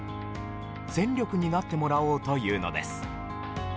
戦力になってもらおうというのです。